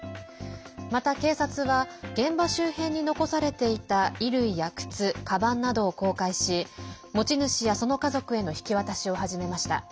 また、警察は現場周辺に残されていた衣類や靴、かばんなどを公開し持ち主やその家族への引き渡しを始めました。